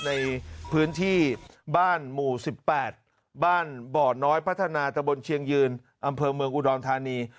ในพื้นที่บ้านหมู่๑๘บ้านบ่อน้อยพัฒนาตะบนเชียงยืนอำเภอเมืองอุดรธานี